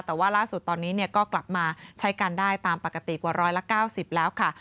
แต่ว่าล่าสุดตอนนี้ก็กลับมาใช้กันได้ตามปกติกว่า๑๙๐แล้วค่ะ